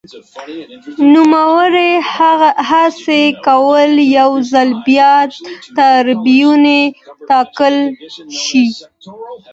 نوموړي هڅه کوله یو ځل بیا ټربیون وټاکل شي